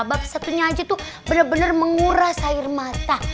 babak satunya aja tuh bener bener menguras air mata